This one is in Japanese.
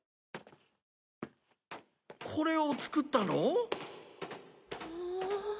これを作ったの？